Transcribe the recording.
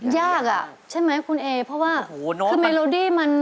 ยากอ่ะใช่ไหมคุณเอเพราะว่าคือเมโลดี้มัน